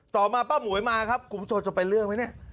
ต่อมาป้าหมวยมาครับคุณผู้ชมจะเป็นเรื่องไหมเนี่ย